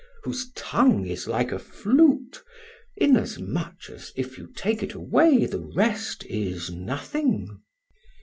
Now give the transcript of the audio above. whose tongue is like a flute, inasmuch as if you take it away the rest is nothing....